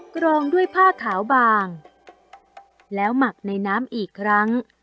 กรองด้วยผ้าขาวบางแล้วหมักในน้ำอีกครั้ง